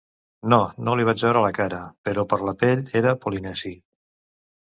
No, no li vaig veure la cara, però per la pell era polinesi.